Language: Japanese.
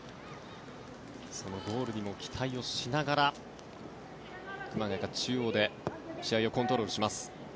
そのゴールにも期待をしながら熊谷が中央で試合をコントロールします。